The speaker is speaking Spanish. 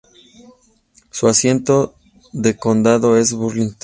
Su asiento de condado es Burlington.